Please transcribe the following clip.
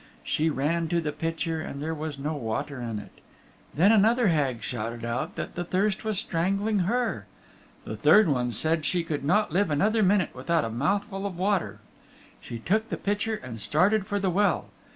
She ran to the pitcher, and there was no water in it. Then another Hag shouted out that the thirst was strangling her. The third one said she could not live another minute without a mouthful of water. She took the pitcher and started for the well.